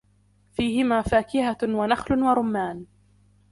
فِيهِمَا فَاكِهَةٌ وَنَخْلٌ وَرُمَّانٌ